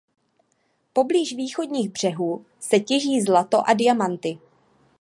Poblíž východních břehů se těží zlato a diamanty.